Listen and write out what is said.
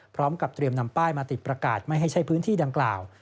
พร้อมกับเตรียมนำป้ายมาติดประกาศไม่ให้ใช้พื้นที่ดังกล่าว